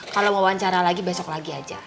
kalau mau wawancara lagi besok lagi aja